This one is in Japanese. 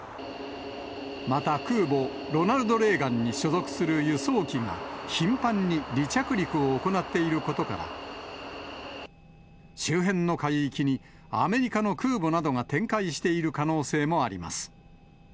また、空母ロナルド・レーガンに所属する輸送機が頻繁に離着陸を行っていることから、周辺の海域にアメリカの空母などが展開している可能性もあります。